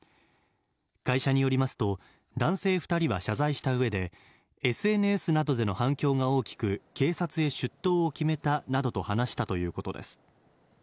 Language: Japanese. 会社によりますと、男性２人は謝罪したうえで、ＳＮＳなどでの反響が大きく、警察へ出頭を決めたなどと話したということです。